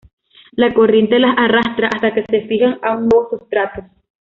La corriente las arrastra hasta que se fijan a un nuevo sustrato.